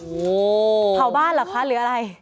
โอ้โหเผาบ้านเหรอคะหรืออะไร